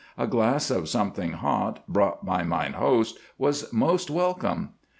A glass of something hot, brought by mine host, was most welcome.